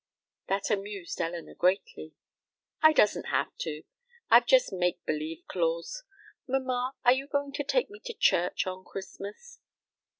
That amused Elinor greatly. "I doesn't have to. I've just make believe claws. Mamma, are you going to take me to church on Christmas?"